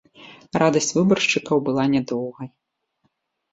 Радасць выбаршчыкаў была нядоўгай.